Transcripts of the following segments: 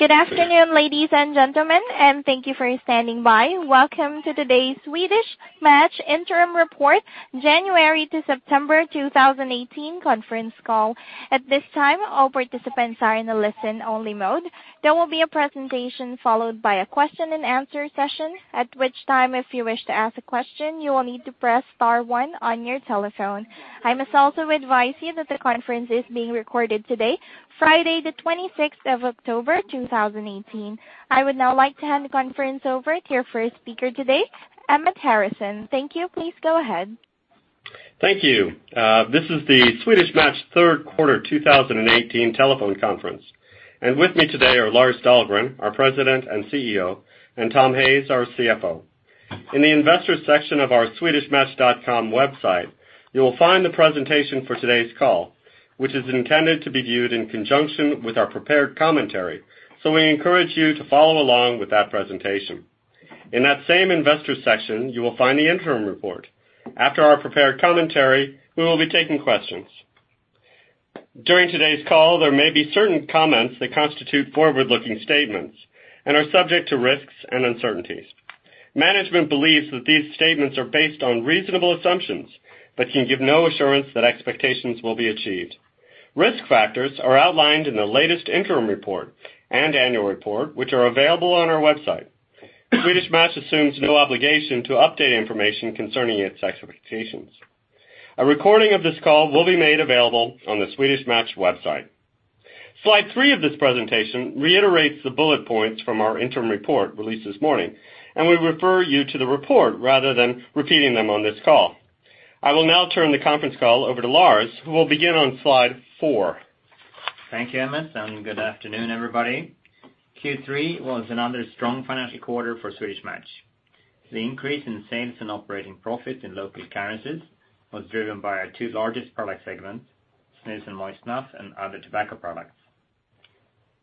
Good afternoon, ladies and gentlemen, and thank you for standing by. Welcome to today's Swedish Match Interim Report January to September 2018 conference call. At this time, all participants are in a listen-only mode. There will be a presentation followed by a question and answer session, at which time if you wish to ask a question, you will need to press star one on your telephone. I must also advise you that the conference is being recorded today, Friday the 26th of October 2018. I would now like to hand the conference over to your first speaker today, Emmett Harrison. Thank you. Please go ahead. Thank you. This is the Swedish Match third quarter 2018 telephone conference. With me today are Lars Dahlgren, our President and CEO, and Thomas Hayes, our CFO. In the Investors section of our swedishmatch.com website, you will find the presentation for today's call, which is intended to be viewed in conjunction with our prepared commentary. We encourage you to follow along with that presentation. In that same investor section, you will find the interim report. After our prepared commentary, we will be taking questions. During today's call, there may be certain comments that constitute forward-looking statements and are subject to risks and uncertainties. Management believes that these statements are based on reasonable assumptions, but can give no assurance that expectations will be achieved. Risk factors are outlined in the latest interim report and annual report, which are available on our website. Swedish Match assumes no obligation to update information concerning its expectations. A recording of this call will be made available on the Swedish Match website. Slide three of this presentation reiterates the bullet points from our interim report released this morning, and we refer you to the report rather than repeating them on this call. I will now turn the conference call over to Lars, who will begin on slide four. Thank you, Emmett, good afternoon, everybody. Q3 was another strong financial quarter for Swedish Match. The increase in sales and operating profit in local currencies was driven by our two largest product segments, snus and moist snuff, and other tobacco products.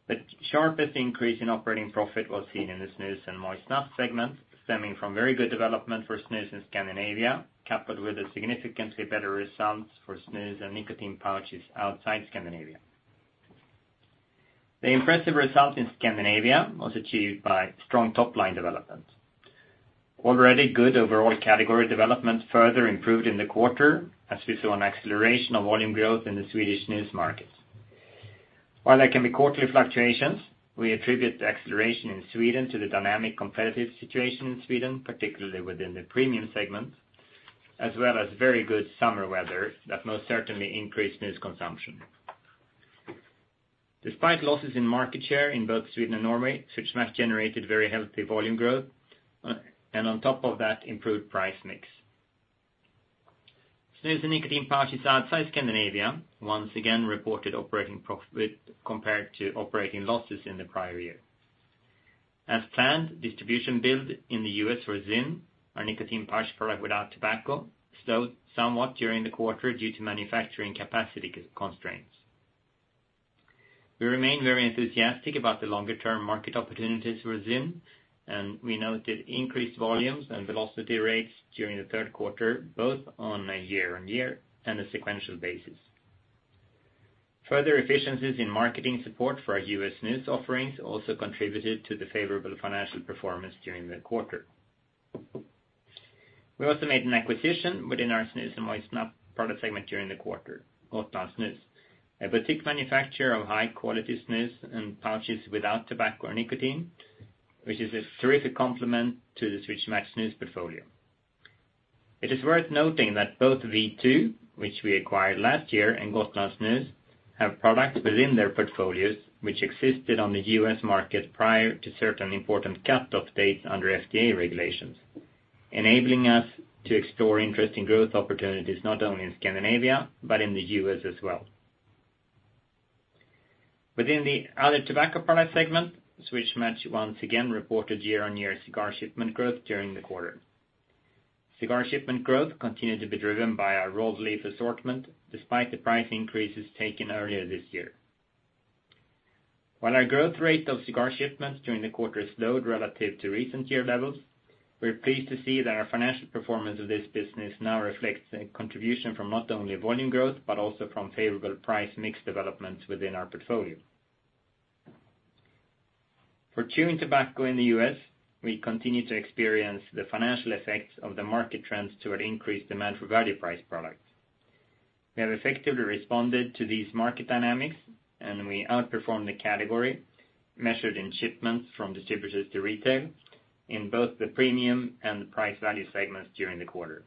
The sharpest increase in operating profit was seen in the snus and moist snuff segment, stemming from very good development for snus in Scandinavia, coupled with a significantly better result for snus and nicotine pouches outside Scandinavia. The impressive result in Scandinavia was achieved by strong top-line development. Already good overall category development further improved in the quarter, as we saw an acceleration of volume growth in the Swedish snus markets. While there can be quarterly fluctuations, we attribute the acceleration in Sweden to the dynamic competitive situation in Sweden, particularly within the premium segment, as well as very good summer weather that most certainly increased snus consumption. Despite losses in market share in both Sweden and Norway, Swedish Match generated very healthy volume growth, and on top of that, improved price mix. snus and nicotine pouches outside Scandinavia once again reported operating profit compared to operating losses in the prior year. As planned, distribution build in the U.S. for ZYN, our nicotine pouch product without tobacco, slowed somewhat during the quarter due to manufacturing capacity constraints. We remain very enthusiastic about the longer-term market opportunities for ZYN, and we noted increased volumes and velocity rates during the third quarter, both on a year-on-year and a sequential basis. Further efficiencies in marketing support for our U.S. snus offerings also contributed to the favorable financial performance during the quarter. We also made an acquisition within our snus and moist snuff product segment during the quarter, Gotlandssnus, a boutique manufacturer of high-quality snus and pouches without tobacco or nicotine, which is a terrific complement to the Swedish Match snus portfolio. It is worth noting that both V2, which we acquired last year, and Gotlandssnus have products within their portfolios which existed on the U.S. market prior to certain important cutoff dates under FDA regulations, enabling us to explore interesting growth opportunities not only in Scandinavia but in the U.S. as well. Within the other tobacco product segment, Swedish Match once again reported year-on-year cigar shipment growth during the quarter. Cigar shipment growth continued to be driven by our rolled leaf assortment, despite the price increases taken earlier this year. While our growth rate of cigar shipments during the quarter slowed relative to recent year levels, we are pleased to see that our financial performance of this business now reflects a contribution from not only volume growth but also from favorable price mix developments within our portfolio. For chewing tobacco in the U.S., we continue to experience the financial effects of the market trends toward increased demand for value price products. We have effectively responded to these market dynamics, and we outperformed the category measured in shipments from distributors to retail in both the premium and the price-value segments during the quarter.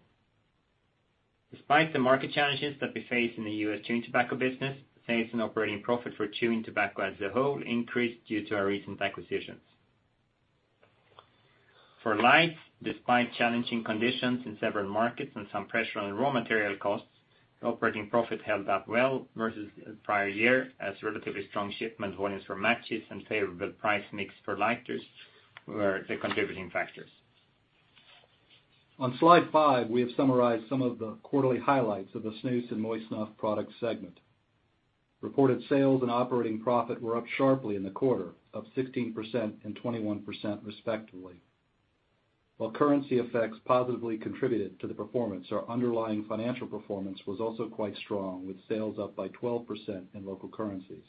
Despite the market challenges that we face in the U.S. chewing tobacco business, sales and operating profit for chewing tobacco as a whole increased due to our recent acquisitions. For lights, despite challenging conditions in several markets and some pressure on raw material costs, operating profit held up well versus the prior year as relatively strong shipment volumes for matches and favorable price mix for lighters were the contributing factors. On slide five, we have summarized some of the quarterly highlights of the snus and moist snuff product segment. Reported sales and operating profit were up sharply in the quarter, up 16% and 21% respectively. While currency effects positively contributed to the performance, our underlying financial performance was also quite strong, with sales up by 12% in local currencies.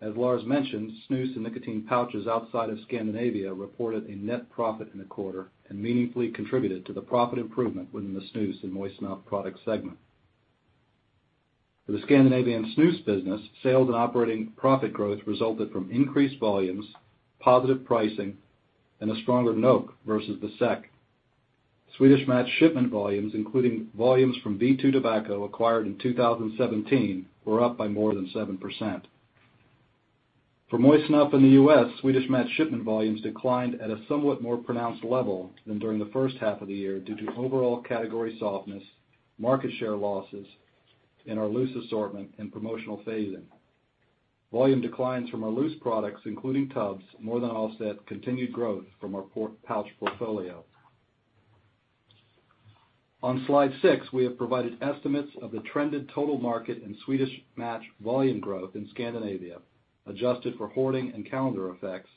As Lars mentioned, snus and nicotine pouches outside of Scandinavia reported a net profit in the quarter and meaningfully contributed to the profit improvement within the snus and moist snuff products segment. For the Scandinavian snus business, sales and operating profit growth resulted from increased volumes, positive pricing, and a stronger NOK versus the SEK. Swedish Match shipment volumes, including volumes from V2 Tobacco acquired in 2017, were up by more than 7%. For moist snuff in the U.S., Swedish Match shipment volumes declined at a somewhat more pronounced level than during the first half of the year due to overall category softness, market share losses in our loose assortment and promotional phase-in. Volume declines from our loose products, including tubs, more than offset continued growth from our pouch portfolio. On slide six, we have provided estimates of the trended total market and Swedish Match volume growth in Scandinavia, adjusted for hoarding and calendar effects,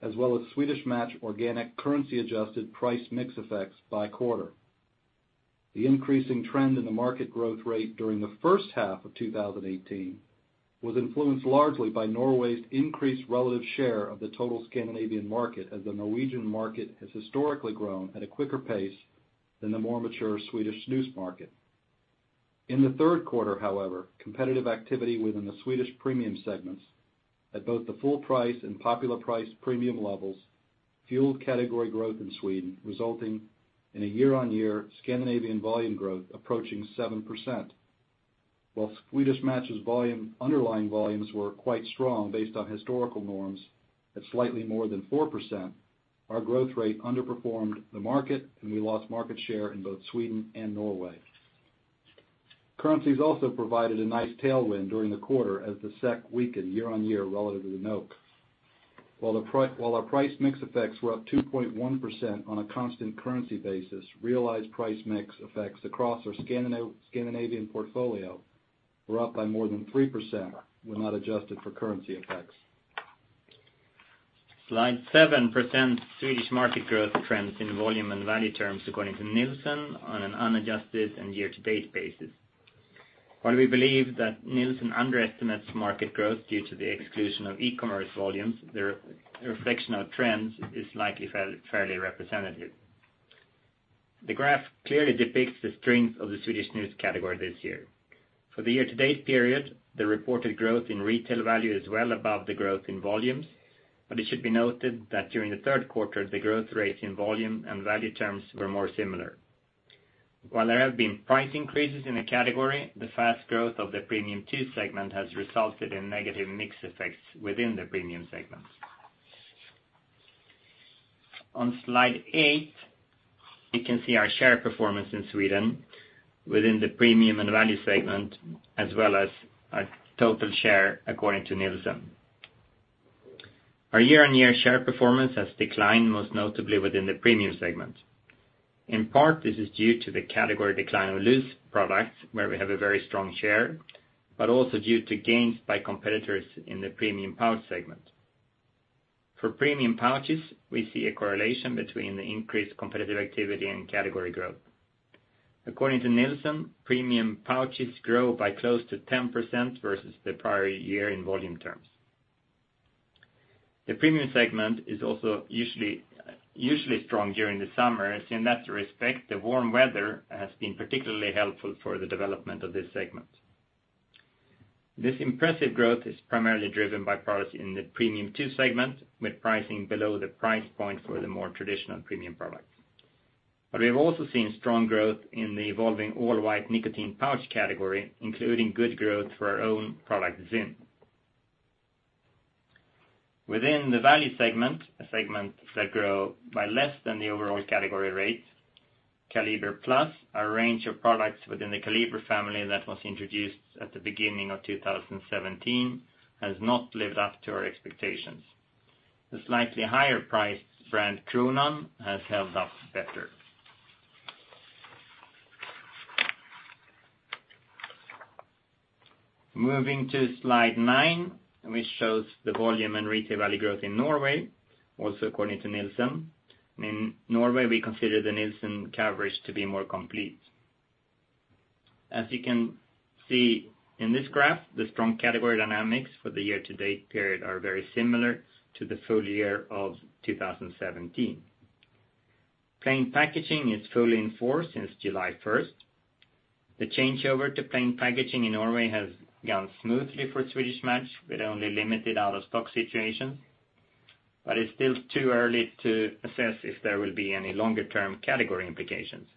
as well as Swedish Match organic currency-adjusted price mix effects by quarter. The increasing trend in the market growth rate during the first half of 2018 was influenced largely by Norway's increased relative share of the total Scandinavian market, as the Norwegian market has historically grown at a quicker pace than the more mature Swedish snus market. In the third quarter, however, competitive activity within the Swedish premium segments at both the full-price and popular price premium levels fueled category growth in Sweden, resulting in a year-on-year Scandinavian volume growth approaching 7%. While Swedish Match's underlying volumes were quite strong based on historical norms at slightly more than 4%, our growth rate underperformed the market, and we lost market share in both Sweden and Norway. Currencies also provided a nice tailwind during the quarter as the SEK weakened year-on-year relative to the NOK. While our price mix effects were up 2.1% on a constant currency basis, realized price mix effects across our Scandinavian portfolio were up by more than 3% when not adjusted for currency effects. Slide seven presents Swedish market growth trends in volume and value terms according to Nielsen on an unadjusted and year-to-date basis. While we believe that Nielsen underestimates market growth due to the exclusion of e-commerce volumes, their reflection of trends is likely fairly representative. The graph clearly depicts the strength of the Swedish snus category this year. For the year-to-date period, the reported growth in retail value is well above the growth in volumes, but it should be noted that during the third quarter, the growth rate in volume and value terms were more similar. While there have been price increases in the category, the fast growth of the Premium 2 segment has resulted in negative mix effects within the premium segments. On slide eight, you can see our share performance in Sweden within the premium and value segment, as well as our total share according to Nielsen. Our year-on-year share performance has declined most notably within the premium segment. In part, this is due to the category decline of loose products, where we have a very strong share, but also due to gains by competitors in the premium pouch segment. For premium pouches, we see a correlation between the increased competitive activity and category growth. According to Nielsen, premium pouches grew by close to 10% versus the prior year in volume terms. The premium segment is also usually strong during the summer. In that respect, the warm weather has been particularly helpful for the development of this segment. This impressive growth is primarily driven by products in the Premium 2 segment with pricing below the price point for the more traditional premium products. We have also seen strong growth in the evolving all-white nicotine pouch category, including good growth for our own product, ZYN. Within the value segment, a segment that grew by less than the overall category rate, Kaliber+, our range of products within the Kaliber family that was introduced at the beginning of 2017, has not lived up to our expectations. The slightly higher priced brand, Kronan, has held up better. Moving to slide nine, which shows the volume and retail value growth in Norway, also according to Nielsen. In Norway, we consider the Nielsen coverage to be more complete. As you can see in this graph, the strong category dynamics for the year-to-date period are very similar to the full year of 2017. Plain packaging is fully in force since July 1st. The changeover to plain packaging in Norway has gone smoothly for Swedish Match with only limited out-of-stock situations. It's still too early to assess if there will be any longer-term category implications.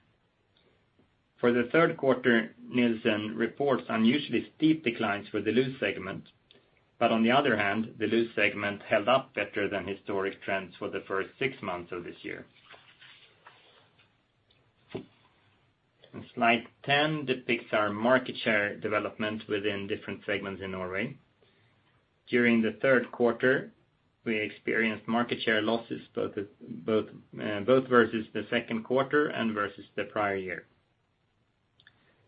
For the third quarter, Nielsen reports unusually steep declines for the loose segment, but on the other hand, the loose segment held up better than historic trends for the first six months of this year. Slide 10 depicts our market share development within different segments in Norway. During the third quarter, we experienced market share losses, both versus the second quarter and versus the prior year.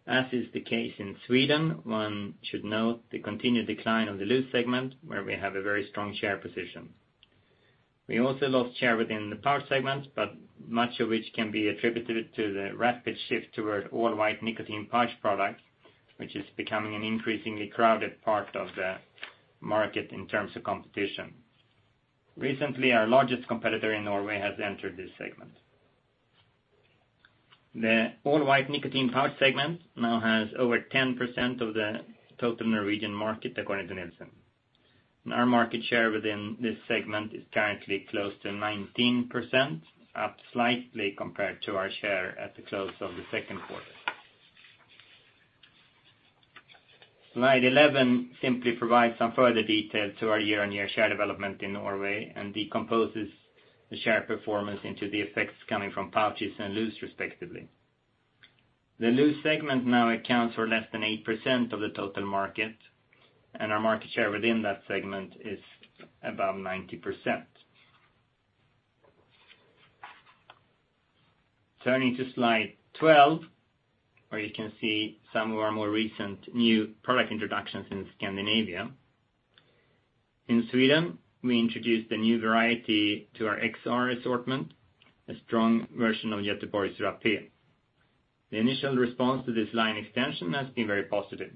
As is the case in Sweden, one should note the continued decline of the loose segment, where we have a very strong share position. We also lost share within the pouch segment, but much of which can be attributed to the rapid shift toward all white nicotine pouch product, which is becoming an increasingly crowded part of the market in terms of competition. Recently, our largest competitor in Norway has entered this segment. The all white nicotine pouch segment now has over 10% of the total Norwegian market, according to Nielsen. Our market share within this segment is currently close to 19%, up slightly compared to our share at the close of the second quarter. Slide 11 simply provides some further detail to our year-on-year share development in Norway and decomposes the share performance into the effects coming from pouches and loose respectively. The loose segment now accounts for less than 8% of the total market, our market share within that segment is about 90%. Turning to slide 12, where you can see some of our more recent new product introductions in Scandinavia. In Sweden, we introduced a new variety to our XR assortment, a strong version of Göteborgs Rapé. The initial response to this line extension has been very positive.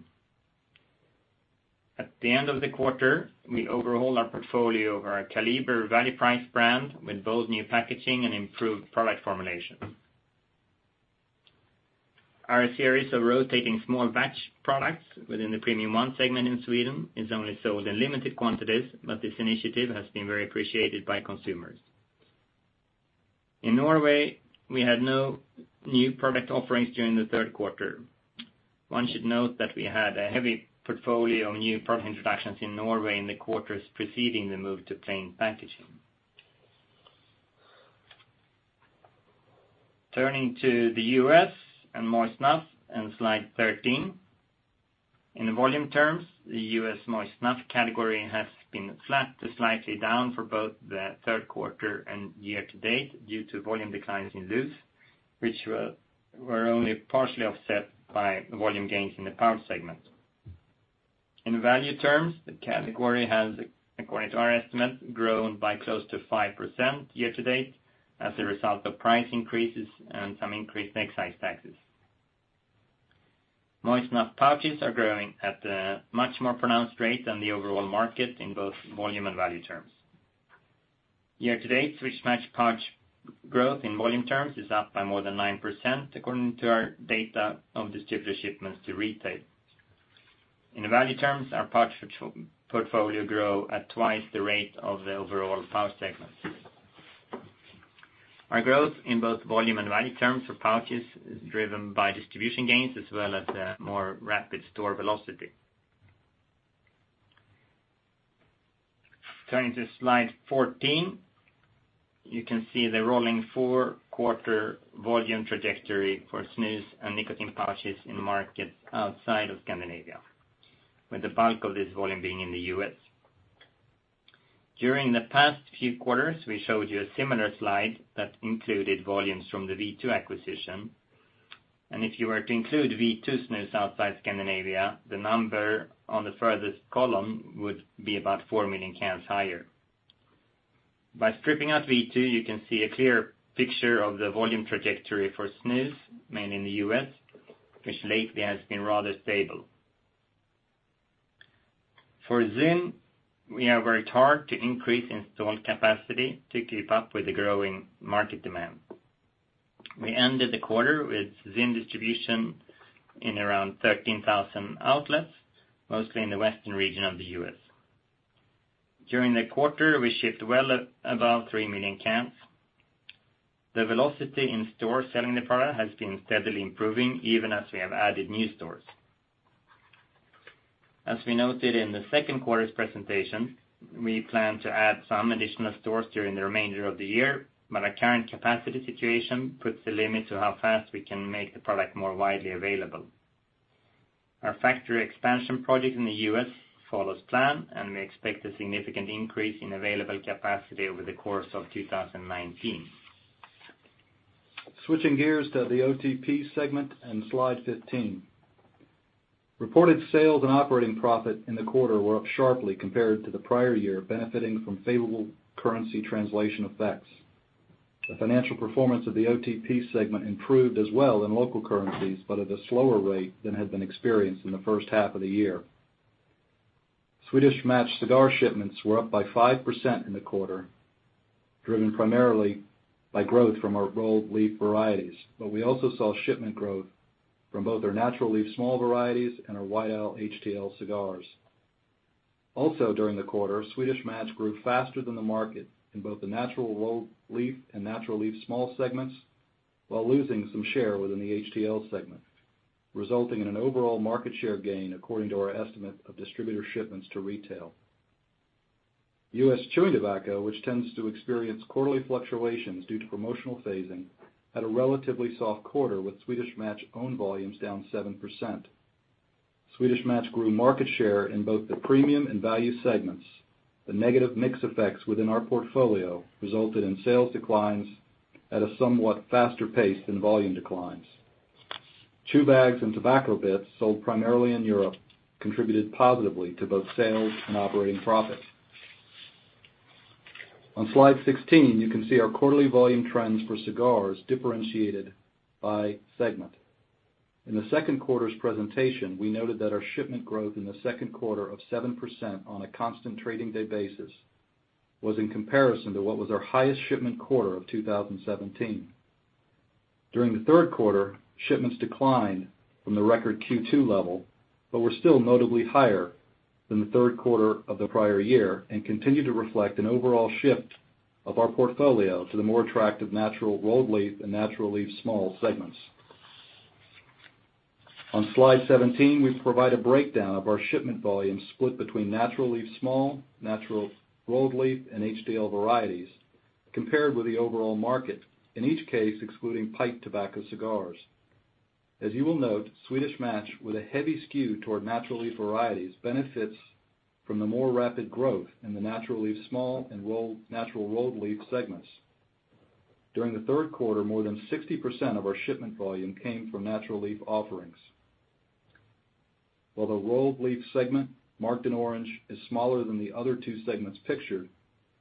At the end of the quarter, we overhauled our portfolio of our Kaliber value price brand with both new packaging and improved product formulation. Our series of rotating small batch products within the Premium 2 segment in Sweden is only sold in limited quantities, this initiative has been very appreciated by consumers. In Norway, we had no new product offerings during the third quarter. One should note that we had a heavy portfolio of new product introductions in Norway in the quarters preceding the move to plain packaging. Turning to the U.S. and moist snuff and slide 13. In volume terms, the U.S. moist snuff category has been flat to slightly down for both the third quarter and year-to-date due to volume declines in loose, which were only partially offset by volume gains in the pouch segment. In value terms, the category has, according to our estimate, grown by close to 5% year-to-date as a result of price increases and some increased excise taxes. Moist snuff pouches are growing at a much more pronounced rate than the overall market in both volume and value terms. Year-to-date, Swedish Match pouch growth in volume terms is up by more than 9% according to our data of distributor shipments to retail. In the value terms, our pouch portfolio grew at twice the rate of the overall pouch segment. Our growth in both volume and value terms for pouches is driven by distribution gains as well as a more rapid store velocity. Turning to slide 14, you can see the rolling four-quarter volume trajectory for snus and nicotine pouches in markets outside of Scandinavia, with the bulk of this volume being in the U.S. During the past few quarters, we showed you a similar slide that included volumes from the V2 acquisition. If you were to include V2 snus outside Scandinavia, the number on the furthest column would be about four million cans higher. By stripping out V2, you can see a clear picture of the volume trajectory for snus made in the U.S., which lately has been rather stable. For ZYN, we have worked hard to increase installed capacity to keep up with the growing market demand. We ended the quarter with ZYN distribution in around 13,000 outlets, mostly in the western region of the U.S. During the quarter, we shipped well above three million cans. The velocity in stores selling the product has been steadily improving even as we have added new stores. As we noted in the second quarter's presentation, we plan to add some additional stores during the remainder of the year, our current capacity situation puts a limit to how fast we can make the product more widely available. Our factory expansion project in the U.S. follows plan, and we expect a significant increase in available capacity over the course of 2019. Switching gears to the OTP segment and slide 15. Reported sales and operating profit in the quarter were up sharply compared to the prior year, benefiting from favorable currency translation effects. The financial performance of the OTP segment improved as well in local currencies, at a slower rate than had been experienced in the first half of the year. Swedish Match cigar shipments were up by 5% in the quarter, driven primarily by growth from our rolled leaf varieties. We also saw shipment growth from both our natural leaf small varieties and our YL/HTL cigars. Also during the quarter, Swedish Match grew faster than the market in both the natural rolled leaf and natural leaf small segments, while losing some share within the HTL segment, resulting in an overall market share gain according to our estimate of distributor shipments to retail. U.S. chewing tobacco, which tends to experience quarterly fluctuations due to promotional phasing, had a relatively soft quarter with Swedish Match owned volumes down 7%. Swedish Match grew market share in both the premium and value segments. The negative mix effects within our portfolio resulted in sales declines at a somewhat faster pace than volume declines. Chew bags and tobacco bits, sold primarily in Europe, contributed positively to both sales and operating profits. On slide 16, you can see our quarterly volume trends for cigars differentiated by segment. In the second quarter's presentation, we noted that our shipment growth in the second quarter of 7% on a constant trading day basis was in comparison to what was our highest shipment quarter of 2017. During the third quarter, shipments declined from the record Q2 level, were still notably higher than the third quarter of the prior year and continue to reflect an overall shift of our portfolio to the more attractive natural rolled leaf and natural leaf small segments. On slide 17, we provide a breakdown of our shipment volume split between natural leaf small, natural rolled leaf, and HTL varieties, compared with the overall market, in each case excluding pipe tobacco, cigars. As you will note, Swedish Match, with a heavy skew toward natural leaf varieties, benefits from the more rapid growth in the natural leaf small and natural rolled leaf segments. During the third quarter, more than 60% of our shipment volume came from natural leaf offerings. While the rolled leaf segment, marked in orange, is smaller than the other two segments pictured,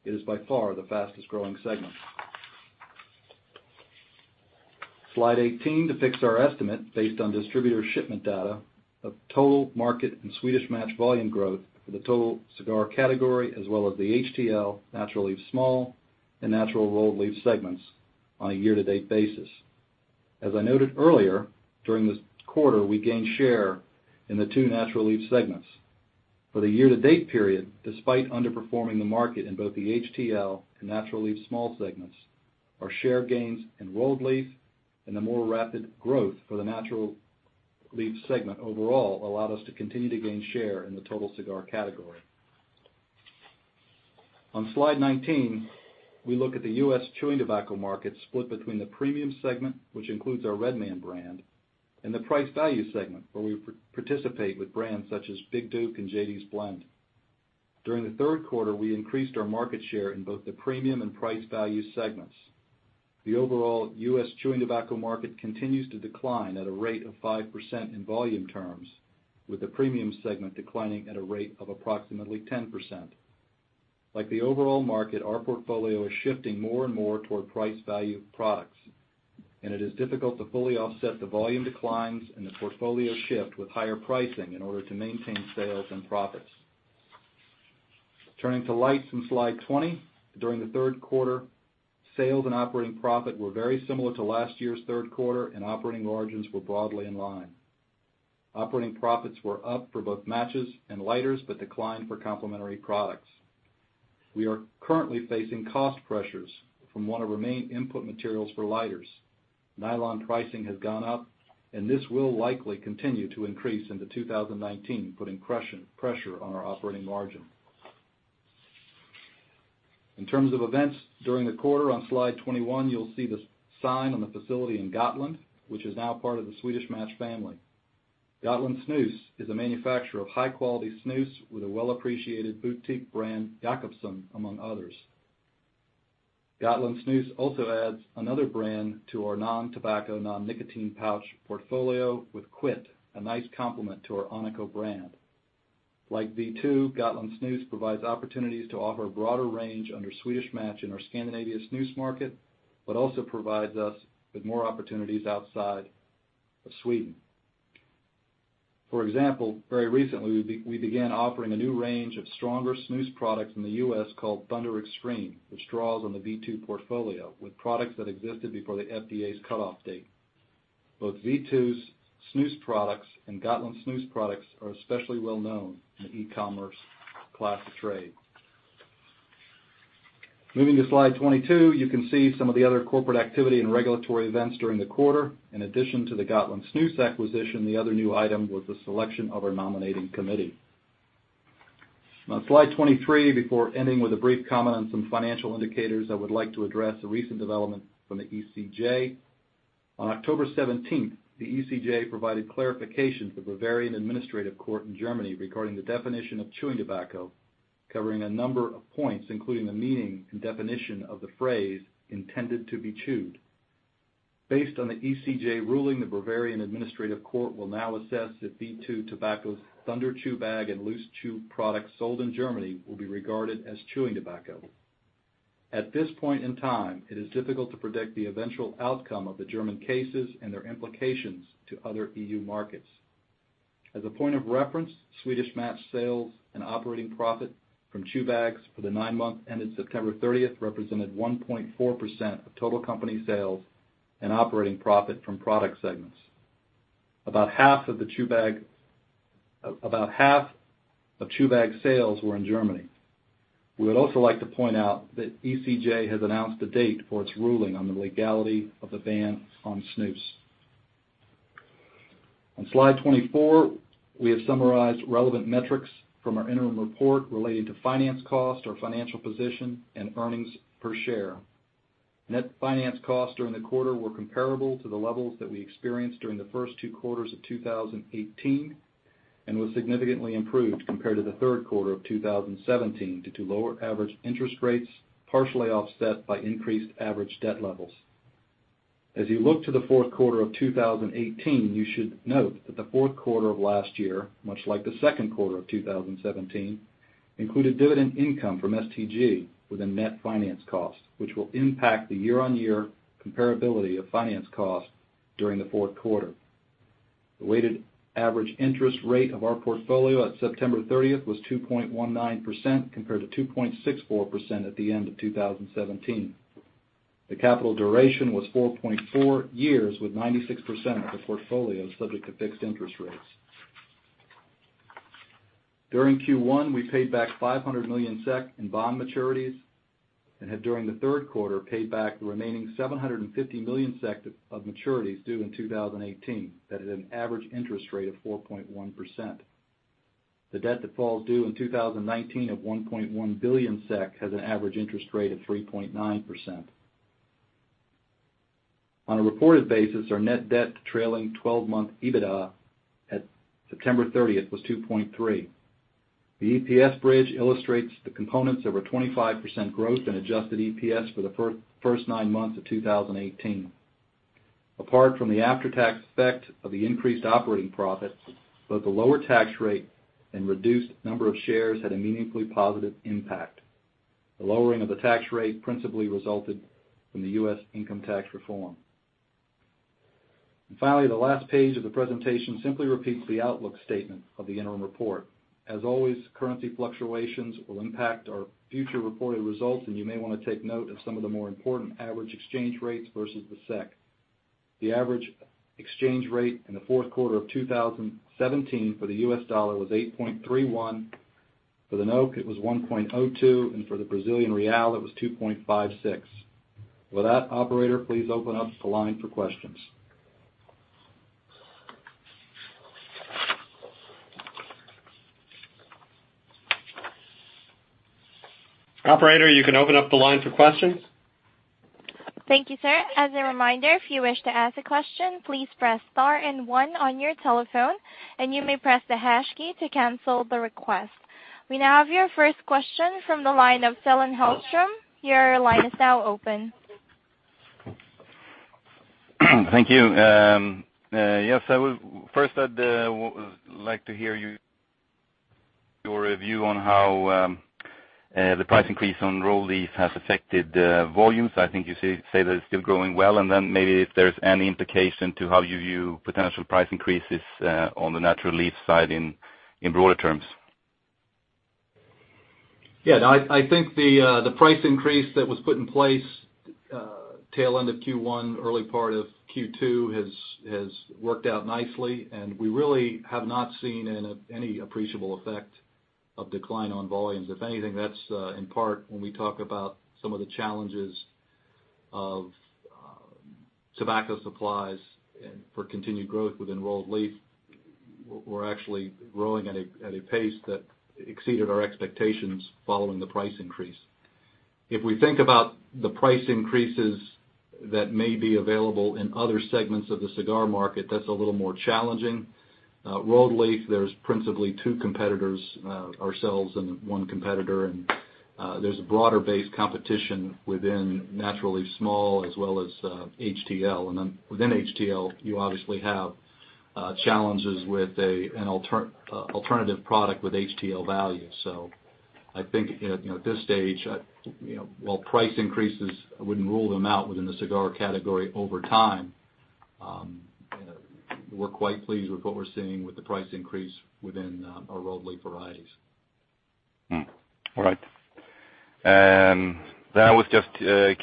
it is by far the fastest-growing segment. Slide 18 depicts our estimate based on distributor shipment data of total market and Swedish Match volume growth for the total cigar category, as well as the HTL, natural leaf small, and natural rolled leaf segments on a year-to-date basis. As I noted earlier, during this quarter, we gained share in the two natural leaf segments. For the year-to-date period, despite underperforming the market in both the HTL and natural leaf small segments, our share gains in rolled leaf and the more rapid growth for the natural leaf segment overall allowed us to continue to gain share in the total cigar category. On slide 19, we look at the U.S. chewing tobacco market split between the premium segment, which includes our Red Man brand, and the price value segment, where we participate with brands such as Big Duke and JD's Blend. During the third quarter, we increased our market share in both the premium and price value segments. The overall U.S. chewing tobacco market continues to decline at a rate of 5% in volume terms, with the premium segment declining at a rate of approximately 10%. Like the overall market, our portfolio is shifting more and more toward price value products. It is difficult to fully offset the volume declines and the portfolio shift with higher pricing in order to maintain sales and profits. Turning to lights on slide 20, during the third quarter, sales and operating profit were very similar to last year's third quarter. Operating margins were broadly in line. Operating profits were up for both matches and lighters, but declined for complementary products. We are currently facing cost pressures from one of our main input materials for lighters. nylon pricing has gone up. This will likely continue to increase into 2019, putting pressure on our operating margin. In terms of events during the quarter, on slide 21, you'll see the sign on the facility in Gotland, which is now part of the Swedish Match family. Gotlandssnus is a manufacturer of high-quality snus with a well-appreciated boutique brand, Jakobsson, among others. Gotlandssnus also adds another brand to our non-tobacco, non-nicotine pouch portfolio with Qvitt, a nice complement to our Onico brand. Like V2, Gotlandssnus provides opportunities to offer a broader range under Swedish Match in our Scandinavia snus market, but also provides us with more opportunities outside of Sweden. For example, very recently, we began offering a new range of stronger snus products in the U.S. called Thunder X-treme, which draws on the V2 portfolio with products that existed before the FDA's cutoff date. Both V2's snus products and Gotlandssnus products are especially well-known in the e-commerce class of trade. Moving to slide 22, you can see some of the other corporate activity and regulatory events during the quarter. In addition to the Gotlandssnus acquisition, the other new item was the selection of our nominating committee. On slide 23, before ending with a brief comment on some financial indicators, I would like to address a recent development from the ECJ. On October 17th, the ECJ provided clarification to the Bavarian Administrative Court in Germany regarding the definition of chewing tobacco, covering a number of points, including the meaning and definition of the phrase "intended to be chewed." Based on the ECJ ruling, the Bavarian Administrative Court will now assess if V2 Tobacco's Thunder chew bag and loose chew products sold in Germany will be regarded as chewing tobacco. At this point in time, it is difficult to predict the eventual outcome of the German cases and their implications to other EU markets. As a point of reference, Swedish Match sales and operating profit from chew bags for the nine months ended September 30th represented 1.4% of total company sales and operating profit from product segments. About half of chew bag sales were in Germany. We would also like to point out that ECJ has announced a date for its ruling on the legality of the ban on snus. On slide 24, we have summarized relevant metrics from our interim report relating to finance cost or financial position and earnings per share. Net finance costs during the quarter were comparable to the levels that we experienced during the first two quarters of 2018, and was significantly improved compared to the third quarter of 2017, due to lower average interest rates, partially offset by increased average debt levels. As you look to the fourth quarter of 2018, you should note that the fourth quarter of last year, much like the second quarter of 2017, included dividend income from STG with a net finance cost, which will impact the year-on-year comparability of finance cost during the fourth quarter. The weighted average interest rate of our portfolio at September 30th was 2.19%, compared to 2.64% at the end of 2017. The capital duration was 4.4 years, with 96% of the portfolio subject to fixed interest rates. During Q1, we paid back 500 million SEK in bond maturities and had, during the third quarter, paid back the remaining 750 million SEK of maturities due in 2018. That is an average interest rate of 4.1%. The debt that falls due in 2019 at 1.1 billion SEK has an average interest rate of 3.9%. On a reported basis, our net debt trailing 12-month EBITDA at September 30th was 2.3. The EPS bridge illustrates the components of our 25% growth in adjusted EPS for the first nine months of 2018. Apart from the after-tax effect of the increased operating profits, both the lower tax rate and reduced number of shares had a meaningfully positive impact. The lowering of the tax rate principally resulted from the U.S. income tax reform. Finally, the last page of the presentation simply repeats the outlook statement of the interim report. As always, currency fluctuations will impact our future reported results, and you may want to take note of some of the more important average exchange rates versus the SEK. The average exchange rate in the fourth quarter of 2017 for the U.S. dollar was 8.31. For the NOK, it was 1.02, and for the Brazilian real, it was 2.56. With that, operator, please open up the line for questions. Operator, you can open up the line for questions. Thank you, sir. As a reminder, if you wish to ask a question, please press star and one on your telephone, and you may press the hash key to cancel the request. We now have your first question from the line of Stellan Hellström. Your line is now open. Thank you. Yes, first I'd like to hear your review on how the price increase on rolled leaf has affected volumes. I think you say that it's still growing well, maybe if there's any implication to how you view potential price increases on the natural leaf side in broader terms. Yeah, no, I think the price increase that was put in place tail end of Q1, early part of Q2, has worked out nicely, and we really have not seen any appreciable effect of decline on volumes. If anything, that's in part when we talk about some of the challenges of tobacco supplies for continued growth within rolled leaf. We're actually growing at a pace that exceeded our expectations following the price increase. If we think about the price increases that may be available in other segments of the cigar market, that's a little more challenging. Rolled leaf, there's principally two competitors, ourselves and one competitor, there's a broader-based competition within natural leaf small as well as HTL. Within HTL, you obviously have challenges with an alternative product with HTL value. I think at this stage, while price increases, I wouldn't rule them out within the cigar category over time. We're quite pleased with what we're seeing with the price increase within our rolled leaf varieties. All right. I was just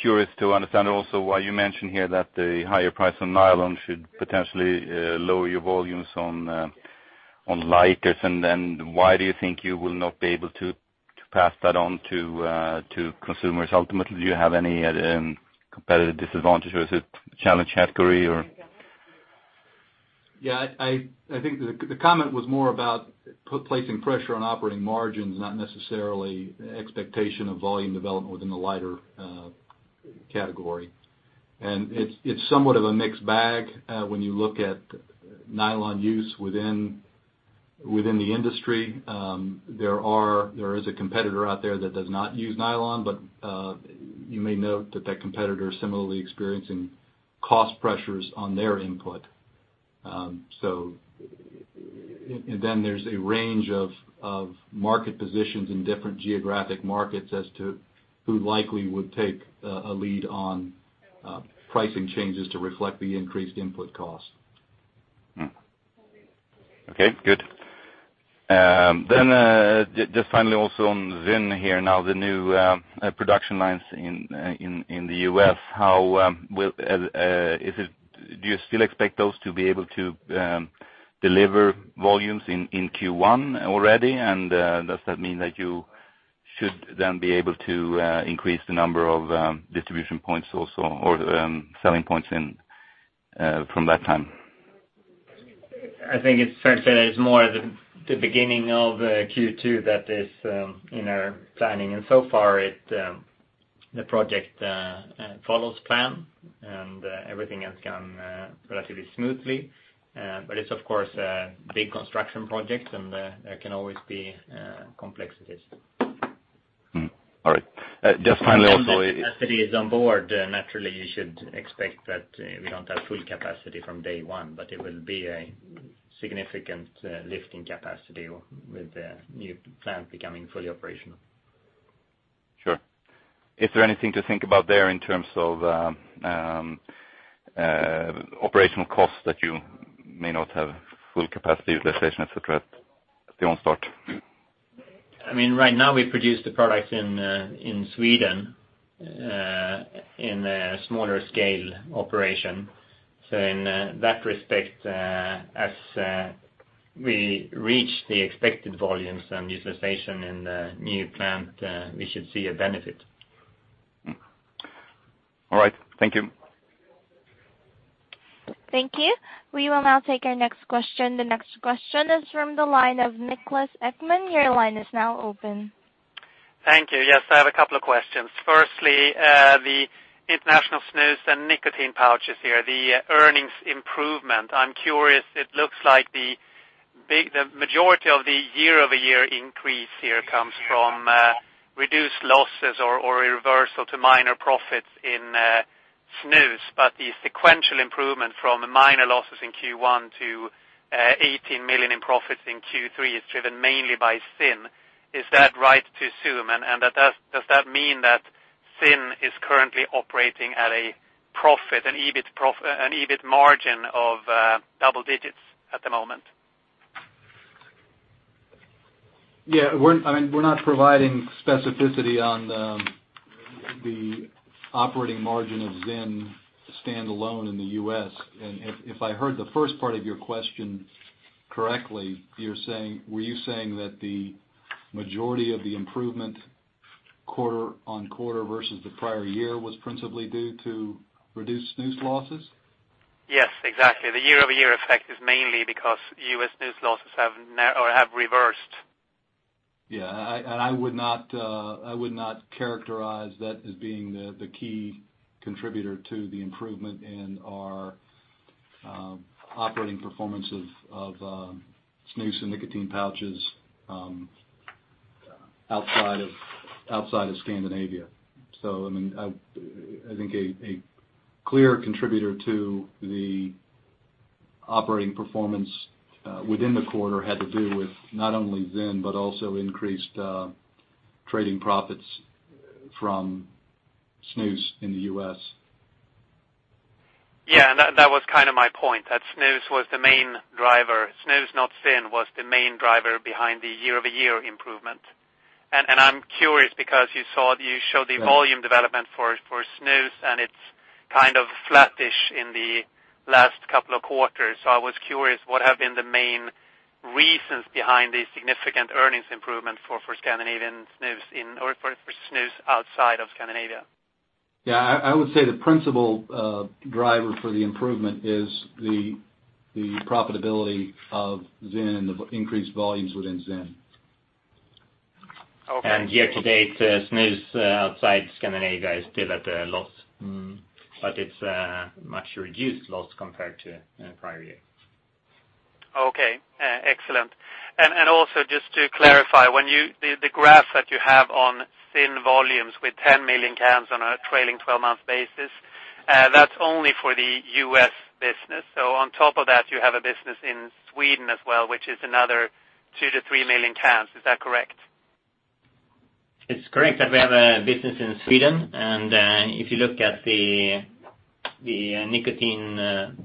curious to understand also why you mentioned here that the higher price on nylon should potentially lower your volumes on lighters, and why do you think you will not be able to pass that on to consumers ultimately? Do you have any competitive disadvantage, or is it a challenged category or? Yeah, I think the comment was more about placing pressure on operating margins, not necessarily expectation of volume development within the lighter category. It's somewhat of a mixed bag when you look at nylon use within the industry. There is a competitor out there that does not use nylon, but you may note that that competitor is similarly experiencing cost pressures on their input. There's a range of market positions in different geographic markets as to who likely would take a lead on pricing changes to reflect the increased input cost. Okay, good. Just finally, also on ZYN here now, the new production lines in the U.S. Do you still expect those to be able to deliver volumes in Q1 already? Does that mean that you should then be able to increase the number of distribution points also or selling points from that time? I think it's fair to say that it's more the beginning of Q2 that is in our planning. So far, the project follows plan, and everything has gone relatively smoothly. It's, of course, a big construction project, and there can always be complexities. All right. Just finally, also. Capacity is on board. Naturally, you should expect that we don't have full capacity from day one, but it will be a significant lift in capacity with the new plant becoming fully operational. Sure. Is there anything to think about there in terms of operational costs, that you may not have full capacity utilization at the start? Right now, we produce the product in Sweden in a smaller scale operation. In that respect, as we reach the expected volumes and utilization in the new plant, we should see a benefit. All right. Thank you. Thank you. We will now take our next question. The next question is from the line of Niklas Ekman. Your line is now open. Thank you. Yes, I have a couple of questions. Firstly, the international snus and nicotine pouches here, the earnings improvement. I'm curious, it looks like the majority of the year-over-year increase here comes from reduced losses or a reversal to minor profits in snus. The sequential improvement from the minor losses in Q1 to 18 million in profits in Q3 is driven mainly by ZYN. Is that right to assume? Does that mean that ZYN is currently operating at a profit, an EBIT margin of double digits at the moment? Yeah. We're not providing specificity on the operating margin of ZYN standalone in the U.S. If I heard the first part of your question correctly, were you saying that the majority of the improvement quarter-on-quarter versus the prior year was principally due to reduced snus losses? Yes, exactly. The year-over-year effect is mainly because U.S. snus losses have reversed. Yeah. I would not characterize that as being the key contributor to the improvement in our operating performance of snus and nicotine pouches outside of Scandinavia. I think a clear contributor to the operating performance within the quarter had to do with not only ZYN, but also increased trading profits from snus in the U.S. Yeah, that was my point, that snus was the main driver. Snus, not ZYN, was the main driver behind the year-over-year improvement. I'm curious because you showed the volume development for snus, and it's flat-ish in the last couple of quarters. I was curious what have been the main reasons behind the significant earnings improvement for Scandinavian snus or for snus outside of Scandinavia? Yeah. I would say the principal driver for the improvement is the profitability of ZYN and the increased volumes within ZYN. Okay. Year to date, snus outside Scandinavia is still at a loss. It's a much reduced loss compared to the prior year. Okay, excellent. Also, just to clarify, the graph that you have on ZYN volumes with 10 million cans on a trailing 12-month basis, that's only for the U.S. business. On top of that, you have a business in Sweden as well, which is another 2 million-3 million cans. Is that correct? It's correct that we have a business in Sweden. If you look at the nicotine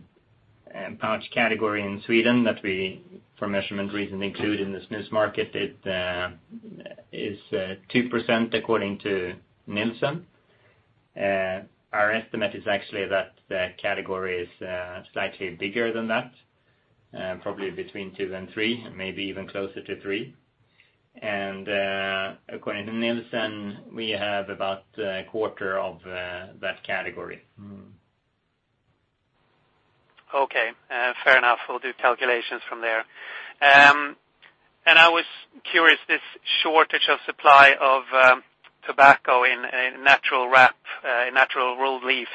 pouch category in Sweden that we, for measurement reasons, include in the snus market, it is 2% according to Nielsen. Our estimate is actually that the category is slightly bigger than that, probably between 2% and 3%, maybe even closer to 3%. According to Nielsen, we have about a quarter of that category. Okay. Fair enough. We'll do calculations from there. I was curious, this shortage of supply of tobacco in natural rolled leaf.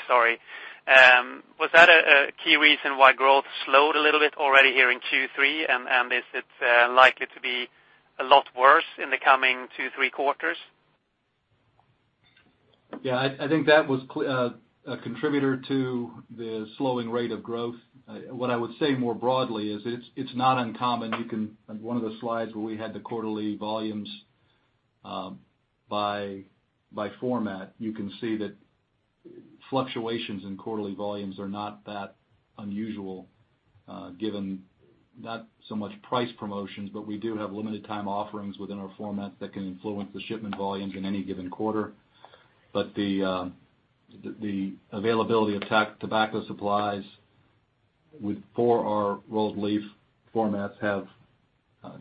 Was that a key reason why growth slowed a little bit already here in Q3, and is it likely to be a lot worse in the coming two, three quarters? Yeah, I think that was a contributor to the slowing rate of growth. What I would say more broadly is it's not uncommon. On one of the slides where we had the quarterly volumes by format, you can see that fluctuations in quarterly volumes are not that unusual given not so much price promotions, but we do have limited time offerings within our format that can influence the shipment volumes in any given quarter. The availability of tobacco supplies for our rolled leaf formats have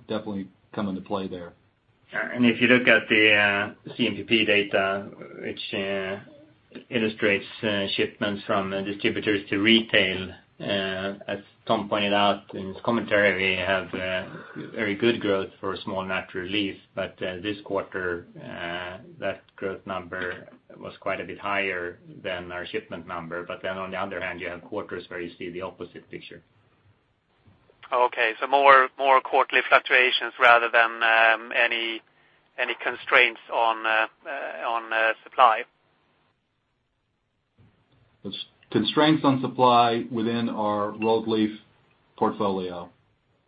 definitely come into play there. If you look at the MSAi data, which illustrates shipments from distributors to retail, as Tom pointed out in his commentary, we have very good growth for small natural leaf. This quarter, that growth number was quite a bit higher than our shipment number. On the other hand, you have quarters where you see the opposite picture. Okay. More quarterly fluctuations rather than any constraints on supply. Constraints on supply within our rolled leaf portfolio,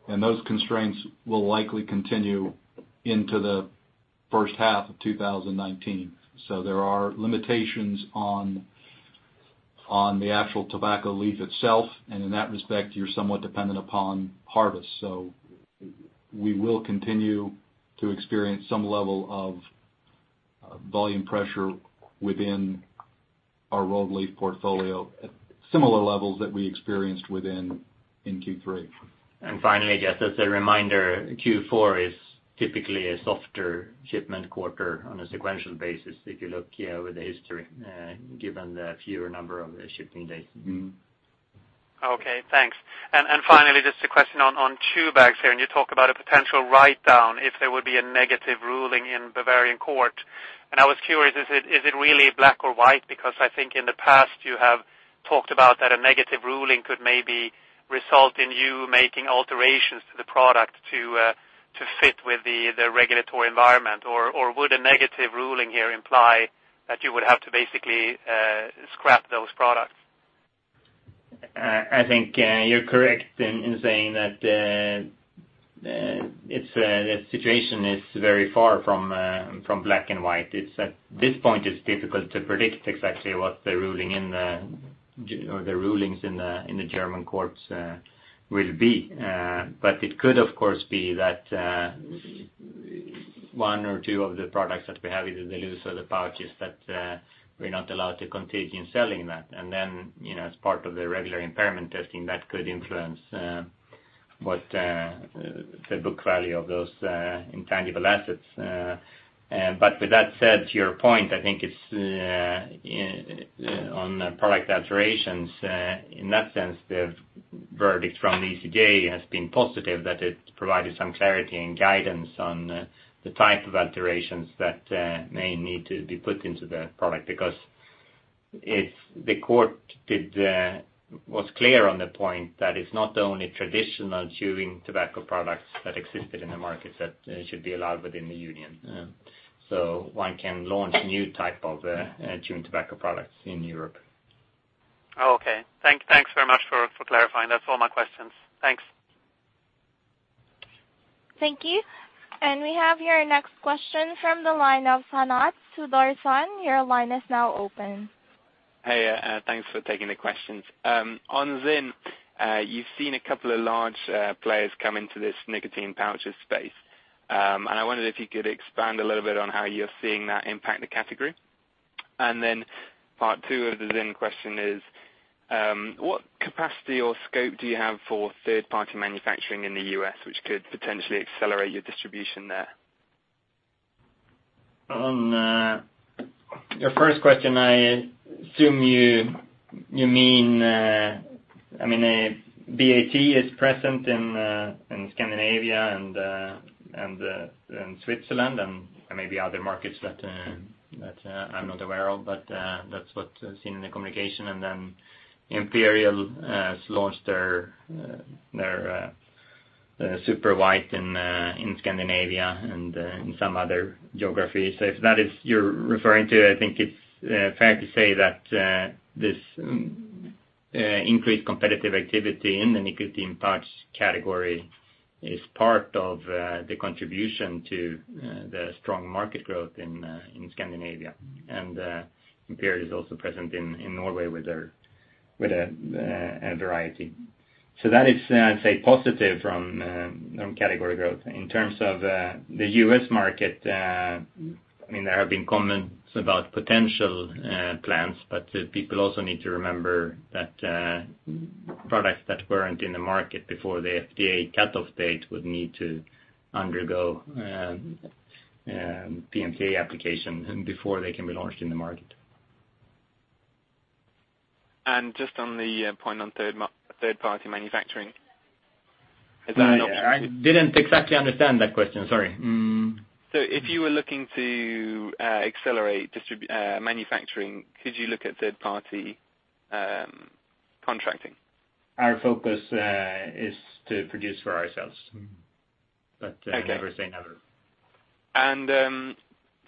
those constraints will likely continue into the first half of 2019. There are limitations on the actual tobacco leaf itself, and in that respect, you're somewhat dependent upon harvest. We will continue to experience some level of volume pressure within our rolled leaf portfolio at similar levels that we experienced within Q3. just as a reminder, Q4 is typically a softer shipment quarter on a sequential basis if you look here over the history, given the fewer number of shipping days. Okay, thanks. Finally, just a question on chew bags here, and you talk about a potential write-down if there would be a negative ruling in Bavarian court. I was curious, is it really black or white? I think in the past, you have talked about that a negative ruling could maybe result in you making alterations to the product to fit with the regulatory environment. Would a negative ruling here imply that you would have to basically scrap those products? I think you're correct in saying that the situation is very far from black and white. It's at this point, it's difficult to predict exactly what the ruling in the, or the rulings in the German courts will be. It could, of course, be that one or two of the products that we have, either the loose or the pouches, that we're not allowed to continue selling that. Then, as part of the regular impairment testing, that could influence what the book value of those intangible assets. With that said, to your point, I think it's on product alterations. In that sense, the verdict from the ECJ has been positive that it provided some clarity and guidance on the type of alterations that may need to be put into the product. If the court was clear on the point that it's not only traditional chewing tobacco products that existed in the market that should be allowed within the union. One can launch new type of chewing tobacco products in Europe. Okay. Thanks very much for clarifying. That's all my questions. Thanks. Thank you. We have your next question from the line of Sanath Sudarsan. Your line is now open. Hey, thanks for taking the questions. On ZYN, you've seen a couple of large players come into this nicotine pouches space. I wondered if you could expand a little bit on how you're seeing that impact the category. Part two of the ZYN question is, what capacity or scope do you have for third-party manufacturing in the U.S., which could potentially accelerate your distribution there? On your first question, I assume you mean, BAT is present in Scandinavia and in Switzerland and maybe other markets that I'm not aware of, but that's what's seen in the communication. Imperial has launched their Superwhite in Scandinavia and in some other geographies. If that is you're referring to, I think it's fair to say that this increased competitive activity in the nicotine pouch category is part of the contribution to the strong market growth in Scandinavia. Imperial is also present in Norway with a variety. That is, I'd say, positive from category growth. In terms of the U.S. market, there have been comments about potential plans, but people also need to remember that products that weren't in the market before the FDA cutoff date would need to undergo a PMTA application before they can be launched in the market. Just on the point on third-party manufacturing. Is that an option? I didn't exactly understand that question, sorry. If you were looking to accelerate manufacturing, could you look at third-party contracting? Our focus is to produce for ourselves. Okay. Never say never.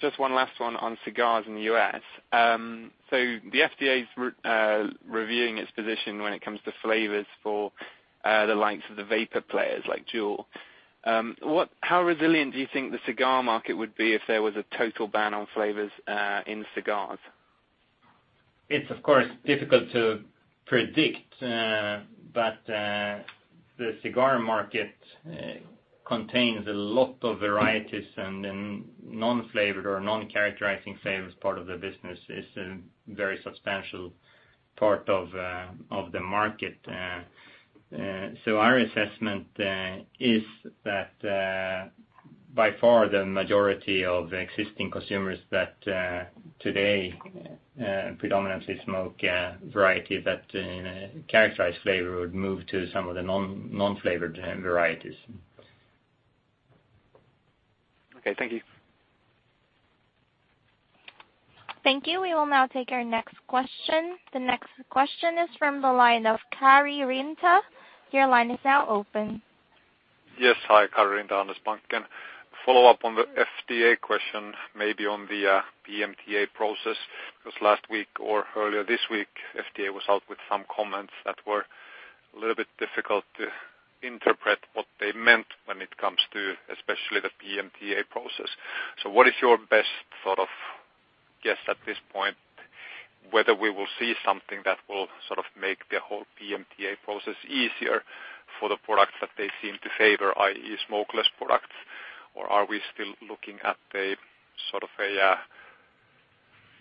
Just one last one on cigars in the U.S. The FDA's reviewing its position when it comes to flavors for the likes of the vapor players like Juul. How resilient do you think the cigar market would be if there was a total ban on flavors in cigars? It's of course difficult to predict, the cigar market contains a lot of varieties, non-flavored or non-characterizing flavors part of the business is a very substantial part of the market. Our assessment is that by far the majority of existing consumers that today predominantly smoke a variety that characterize flavor would move to some of the non-flavored varieties. Okay, thank you. Thank you. We will now take our next question. The next question is from the line of Kari Rinta. Your line is now open. Yes. Hi, Kari Rinta, Handelsbanken. Follow up on the FDA question, maybe on the PMTA process, because last week or earlier this week, FDA was out with some comments that were a little bit difficult to interpret what they meant when it comes to, especially the PMTA process. What is your best sort of guess at this point, whether we will see something that will sort of make the whole PMTA process easier for the products that they seem to favor, i.e., smokeless products? Are we still looking at a,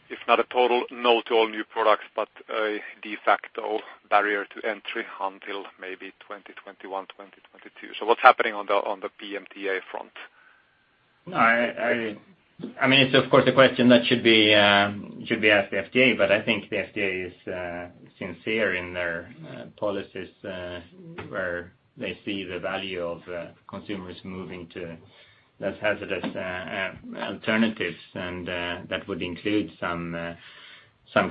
if not a total no to all new products, but a de facto barrier to entry until maybe 2021, 2022? What's happening on the PMTA front? It's of course a question that should be asked the FDA, I think the FDA is sincere in their policies where they see the value of consumers moving to less hazardous alternatives, and that would include some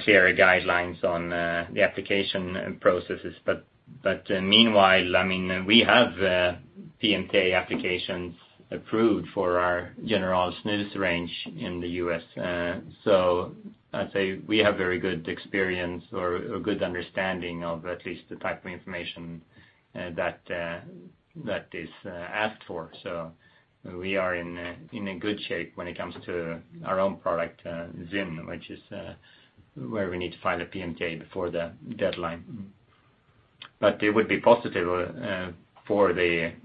clearer guidelines on the application processes. Meanwhile, we have PMTA applications approved for our general snus range in the U.S. I'd say we have very good experience or a good understanding of at least the type of information that is asked for. We are in a good shape when it comes to our own product, ZYN, which is where we need to file a PMTA before the deadline. It would be positive for the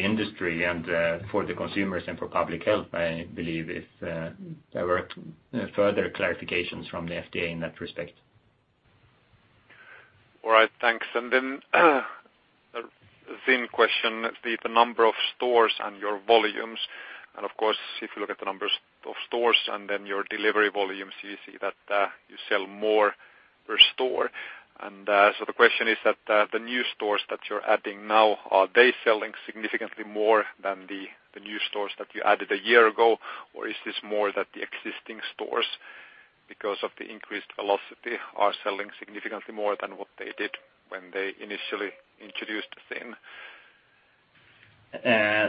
industry and for the consumers and for public health, I believe, if there were further clarifications from the FDA in that respect. All right, thanks. Then a ZYN question, the number of stores and your volumes, and of course, if you look at the numbers of stores and then your delivery volumes, you see that you sell more per store. The question is that the new stores that you're adding now, are they selling significantly more than the new stores that you added a year ago? Is this more that the existing stores, because of the increased velocity, are selling significantly more than what they did when they initially introduced ZYN?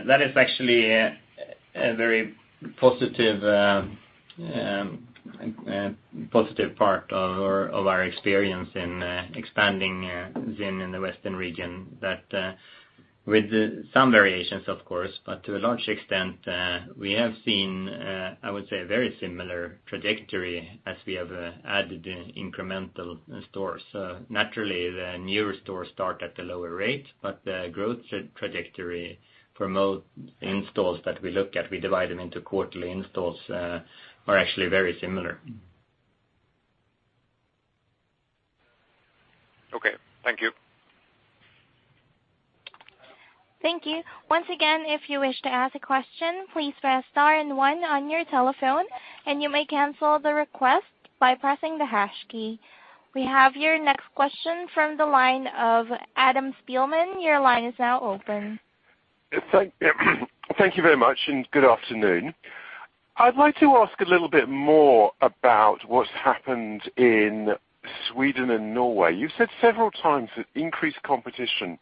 That is actually a very positive part of our experience in expanding ZYN in the Western region, that with some variations, of course, but to a large extent, we have seen, I would say, a very similar trajectory as we have added incremental stores. Naturally, the newer stores start at a lower rate, but the growth trajectory for most installs that we look at, we divide them into quarterly installs, are actually very similar. Okay. Thank you. Thank you. Once again, if you wish to ask a question, please press star and one on your telephone, and you may cancel the request by pressing the hash key. We have your next question from the line of Adam Spielman. Your line is now open. Thank you very much, good afternoon. I'd like to ask a little bit more about what's happened in Sweden and Norway. You've said several times that increased competition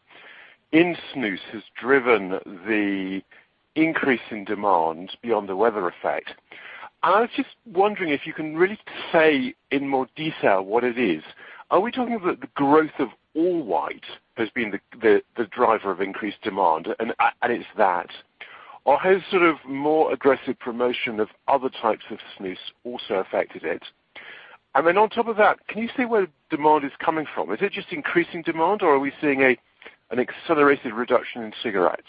in snus has driven the increase in demand beyond the weather effect. I was just wondering if you can really say in more detail what it is. Are we talking about the growth of all white has been the driver of increased demand, and it's that? Has more aggressive promotion of other types of snus also affected it? On top of that, can you say where demand is coming from? Is it just increasing demand, or are we seeing an accelerated reduction in cigarettes?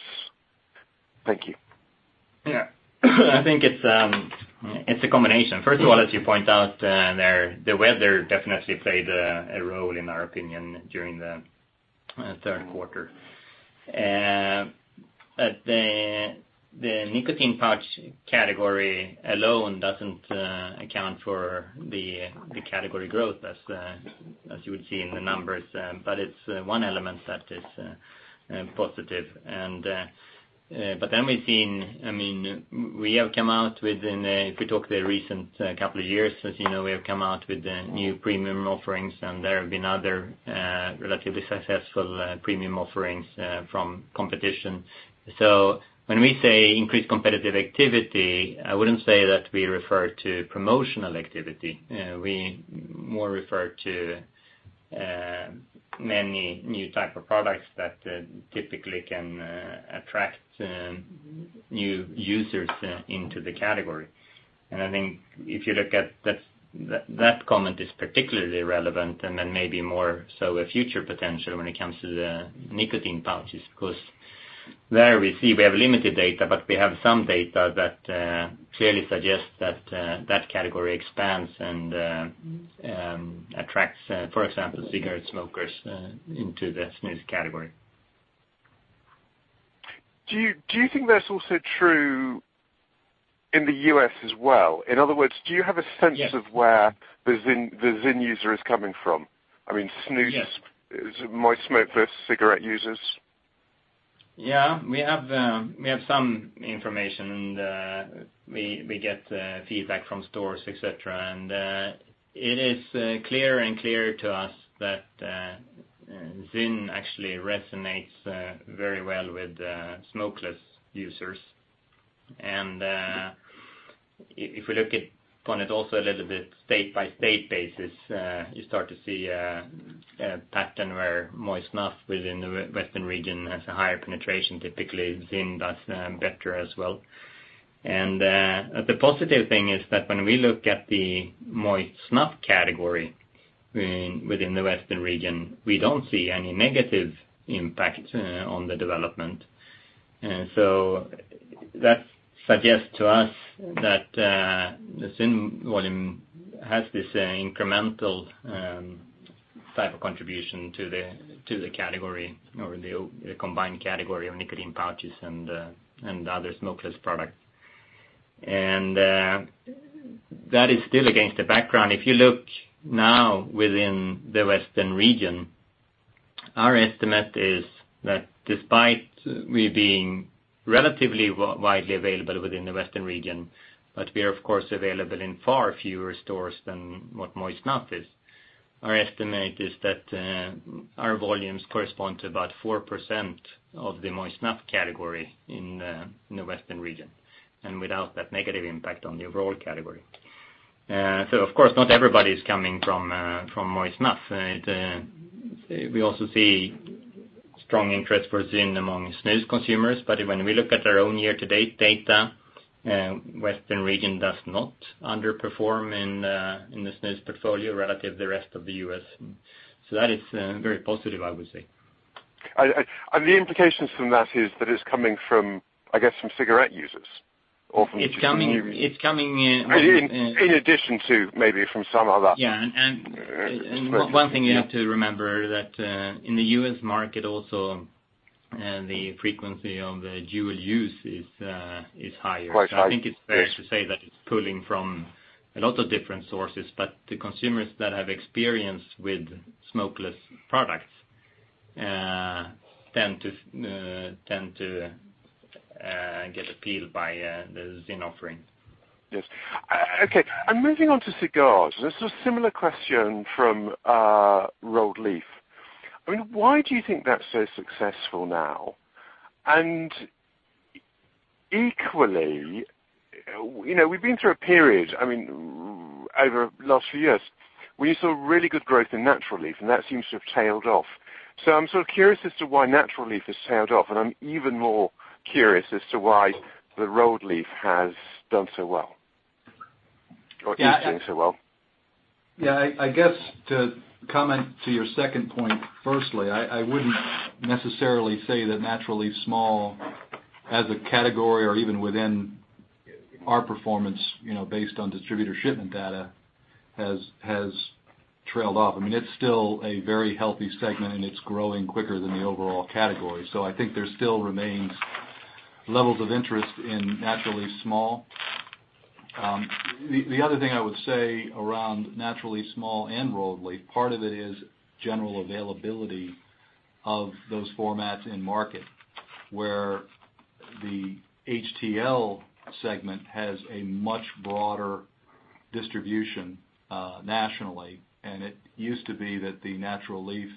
Thank you. I think it's a combination. First of all, as you point out, the weather definitely played a role, in our opinion, during the third quarter. The nicotine pouch category alone doesn't account for the category growth, as you would see in the numbers. It's one element that is positive. We have come out within a, if we talk the recent couple of years, as you know, we have come out with new premium offerings, and there have been other relatively successful premium offerings from competition. When we say increased competitive activity, I wouldn't say that we refer to promotional activity. We more refer to many new type of products that typically can attract new users into the category. I think if you look at that comment is particularly relevant and maybe more so a future potential when it comes to the nicotine pouches, because there we see we have limited data, but we have some data that clearly suggests that category expands and attracts, for example, cigarette smokers into the snus category. Do you think that's also true in the U.S. as well? In other words, do you have a sense? Yes of where the ZYN user is coming from? I mean, snus. Yes is moist snuff versus cigarette users. Yeah. We have some information and we get feedback from stores, et cetera. It is clear and clear to us that ZYN actually resonates very well with smokeless users. If we look at it also a little bit state-by-state basis, you start to see a pattern where moist snuff within the Western region has a higher penetration, typically ZYN does better as well. The positive thing is that when we look at the moist snuff category within the Western region, we don't see any negative impact on the development. That suggests to us that the ZYN volume has this incremental type of contribution to the category or the combined category of nicotine pouches and other smokeless products. That is still against the background. If you look now within the Western region, our estimate is that despite we being relatively widely available within the Western region, but we are, of course, available in far fewer stores than what moist snuff is. Our estimate is that our volumes correspond to about 4% of the moist snuff category in the Western region, and without that negative impact on the overall category. Of course, not everybody's coming from moist snuff. We also see strong interest for ZYN among snus consumers. When we look at our own year-to-date data, Western region does not underperform in the snus portfolio relative to the rest of the U.S. That is very positive, I would say. The implications from that is that it's coming from, I guess, from cigarette users or from It's coming In addition to maybe from some other Yeah. One thing you have to remember that in the U.S. market also, the frequency of dual use is higher. Quite high. Yes. I think it's fair to say that it's pulling from a lot of different sources, but the consumers that have experience with smokeless products tend to get appealed by the ZYN offering. Yes. Okay. Moving on to cigars. This is a similar question from rolled leaf. Why do you think that's so successful now? Equally, we've been through a period over the last few years where you saw really good growth in natural leaf, and that seems to have tailed off. I'm sort of curious as to why natural leaf has tailed off, and I'm even more curious as to why the rolled leaf has done so well or is doing so well. I guess to comment to your second point, firstly, I wouldn't necessarily say that natural leaf as a category or even within our performance, based on distributor shipment data, has trailed off. It's still a very healthy segment, and it's growing quicker than the overall category. I think there still remains levels of interest in natural leaf. The other thing I would say around natural leaf and rolled leaf, part of it is general availability of those formats in market, where the HTL segment has a much broader distribution nationally. It used to be that the natural leaf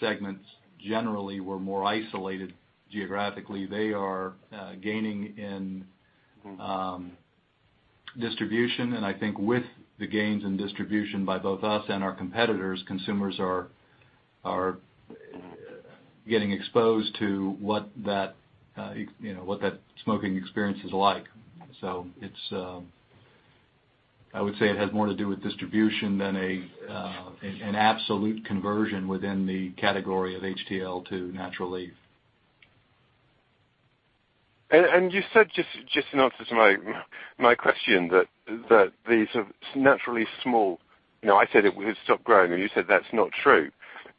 segments generally were more isolated geographically. They are gaining in distribution. I think with the gains in distribution by both us and our competitors, consumers are getting exposed to what that smoking experience is like. I would say it has more to do with distribution than an absolute conversion within the category of HTL to natural leaf. You said, just in answer to my question, that these natural leaf, I said it had stopped growing, and you said that's not true.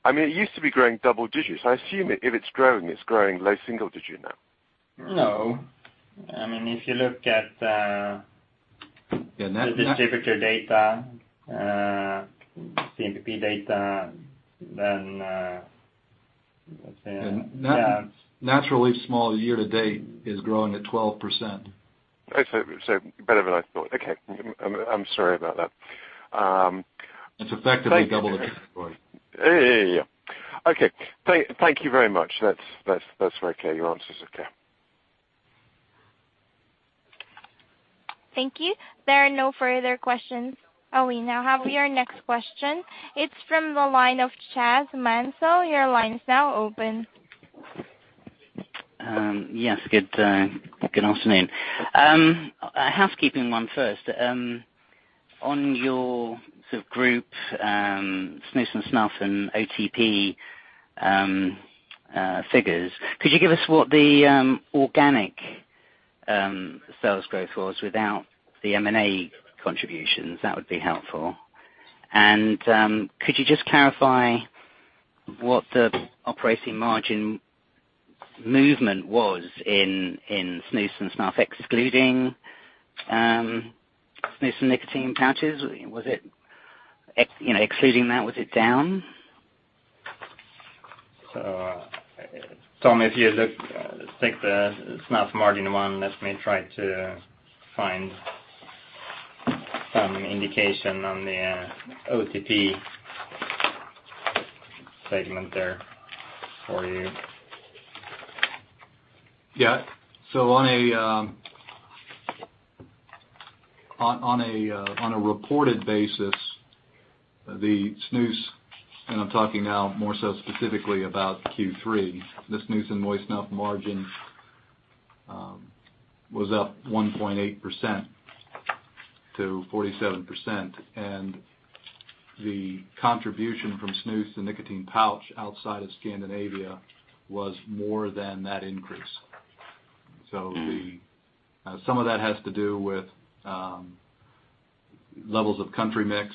It used to be growing double digits. I assume if it's growing, it's growing low single digit now. No. If you look at The distributor data, MSAi data, yeah. Natural leaf small year to date is growing at 12%. Better than I thought. Okay. I'm sorry about that. It's effectively double the category. Yeah. Okay. Thank you very much. That's very clear. Your answer's okay. Thank you. There are no further questions. We now have your next question. It is from the line of Chas Manso. Your line is now open. Yes. Good afternoon. A housekeeping one first. On your group, snus and snuff and OTP figures, could you give us what the organic sales growth was without the M&A contributions? That would be helpful. Could you just clarify what the operating margin movement was in snus and snuff, excluding snus and nicotine pouches? Excluding that, was it down? Tom, if you take the snuff margin one, let me try to find some indication on the OTP segment there for you. On a reported basis, the snus, and I am talking now more specifically about Q3, the snus and moist snuff margin was up 1.8% to 47%, the contribution from snus and nicotine pouch outside of Scandinavia was more than that increase. Some of that has to do with levels of country mix,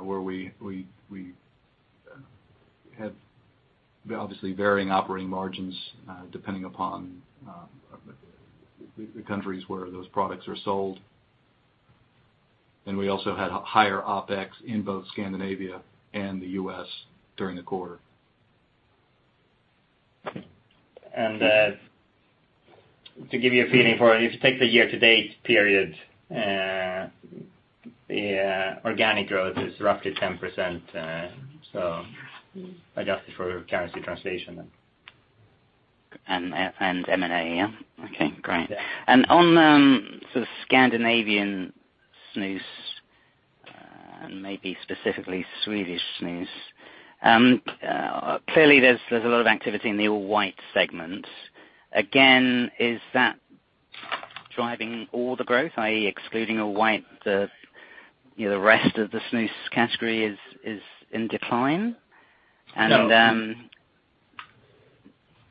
where we have obviously varying operating margins depending upon the countries where those products are sold. We also had higher OpEx in both Scandinavia and the U.S. during the quarter. To give you a feeling for it, if you take the year-to-date period, the organic growth is roughly 10%, adjusted for currency translation. M&A, yeah? Okay, great. Yeah. On the Scandinavian snus, maybe specifically Swedish snus. Clearly, there's a lot of activity in the all white segment. Again, is that driving all the growth, i.e., excluding all white, the rest of the snus category is in decline? No.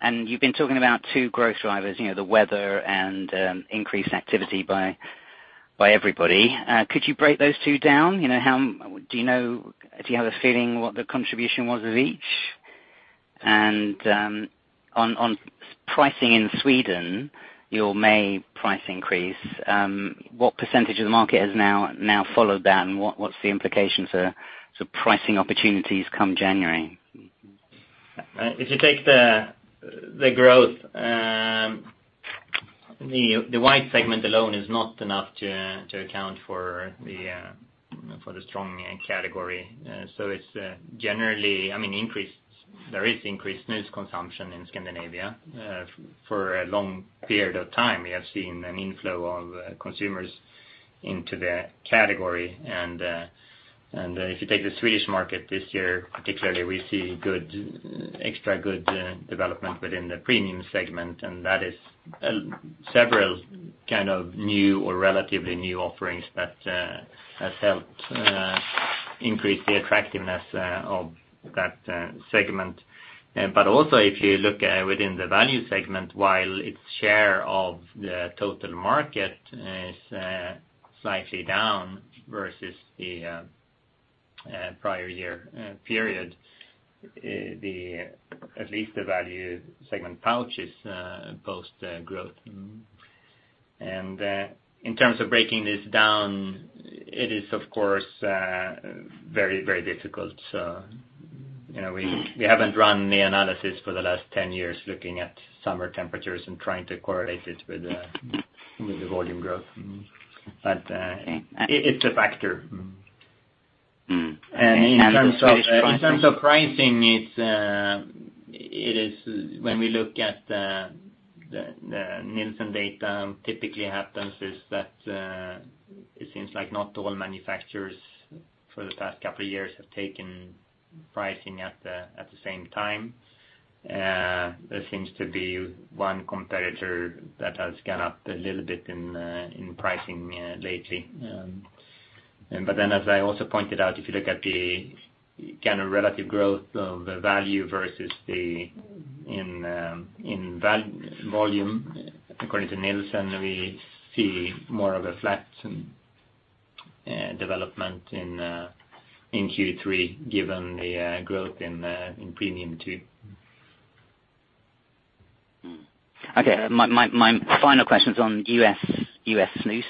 You've been talking about two growth drivers, the weather and increased activity by everybody. Could you break those two down? Do you have a feeling what the contribution was of each? On pricing in Sweden, your May price increase, what % of the market has now followed that, and what's the implication to pricing opportunities come January? If you take the growth, the White segment alone is not enough to account for the strong category. It's generally, there is increased snus consumption in Scandinavia. For a long period of time, we have seen an inflow of consumers into the category. If you take the Swedish market this year, particularly, we see extra good development within the premium segment. That is several kind of new or relatively new offerings that has helped increase the attractiveness of that segment. Also, if you look within the value segment, while its share of the total market is slightly down versus the prior-year period, at least the value segment pouches boast growth. In terms of breaking this down, it is of course very difficult. We haven't run the analysis for the last 10 years looking at summer temperatures and trying to correlate it with the volume growth. It's a factor. Okay. The Swedish pricing- In terms of pricing, when we look at the Nielsen data, typically happens it seems like not all manufacturers for the past couple of years have taken pricing at the same time. There seems to be one competitor that has gone up a little bit in pricing lately. As I also pointed out, if you look at the kind of relative growth of the value versus in volume, according to Nielsen, we see more of a flat development in Q3 given the growth in Premium too. Okay. My final question's on U.S. snus.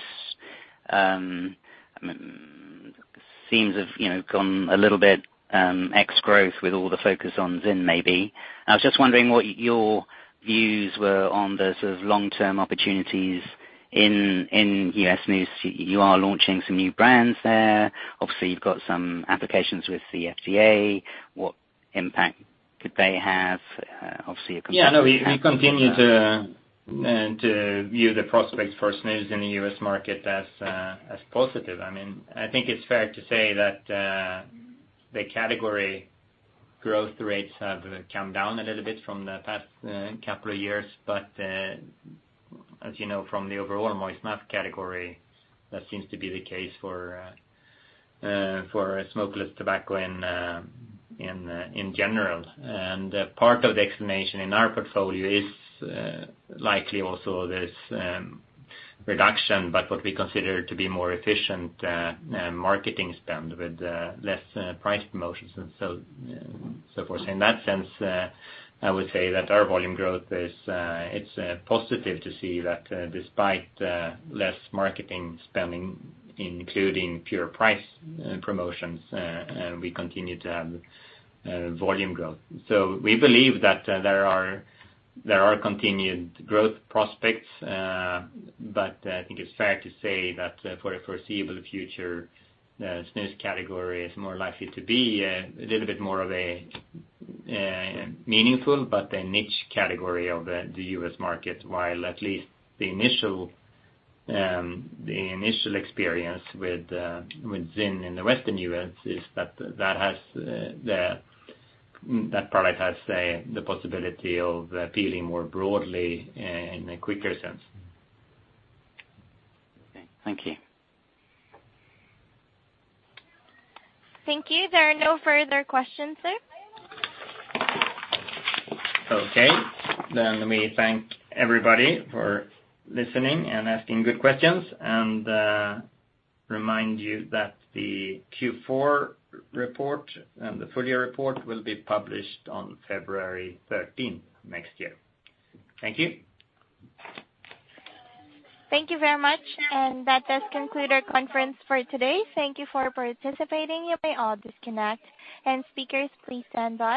Seems to have come a little bit ex-growth with all the focus on ZYN, maybe. I was just wondering what your views were on the long-term opportunities in U.S. snus. You are launching some new brands there. Obviously, you've got some applications with the FDA. What impact could they have? Obviously, a competitive impact- Yeah, no, we continue to view the prospects for snus in the U.S. market as positive. I think it's fair to say that the category growth rates have come down a little bit from the past couple of years, but as you know from the overall moist snuff category, that seems to be the case for smokeless tobacco in general. Part of the explanation in our portfolio is likely also this reduction, but what we consider to be more efficient marketing spend with less price promotions and so forth. In that sense, I would say that our volume growth is positive to see that despite less marketing spending, including pure price promotions, we continue to have volume growth. We believe that there are continued growth prospects, but I think it's fair to say that for the foreseeable future, the snus category is more likely to be a little bit more of a meaningful, but a niche category of the U.S. market, while at least the initial experience with ZYN in the Western U.S. is that product has the possibility of appealing more broadly in a quicker sense. Okay. Thank you. Thank you. There are no further questions, sir. Okay. Let me thank everybody for listening and asking good questions, and remind you that the Q4 report and the full year report will be published on February 13th next year. Thank you. Thank you very much, that does conclude our conference for today. Thank you for participating. You may all disconnect. Speakers, please stand by.